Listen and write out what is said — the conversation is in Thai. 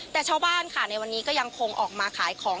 แต่ชาวบ้านค่ะในวันนี้ก็ยังคงออกมาขายของ